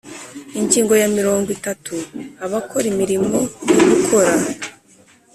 Ingingo ya mirongo itatu Abakora imirimo yo gukora